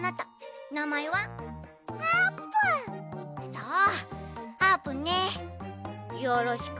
そうあーぷんねよろしく！